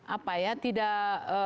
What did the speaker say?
apa ya tidak